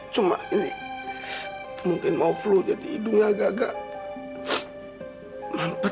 cuma ini mungkin mau flu jadi hidungnya agak agak nampak